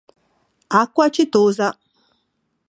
Acqua Acetosa